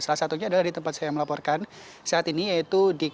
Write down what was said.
salah satunya adalah di tempat saya melaporkan saat ini yaitu di kawasan